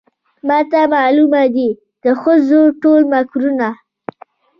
ماته معلومه دي د ښځو ټول مکرونه